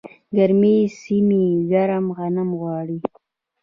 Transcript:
ګرمې سیمې ګرم غنم غواړي.